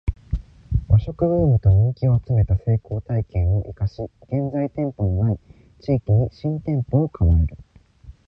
ⅰ 和食ブームと人気を集めた成功体験を活かし現在店舗の無い地域に新店舗を構える